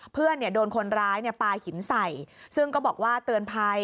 เพื่อนโดนคนร้ายปลาหินใส่ซึ่งก็บอกว่าเตือนภัย